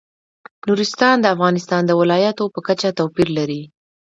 نورستان د افغانستان د ولایاتو په کچه توپیر لري.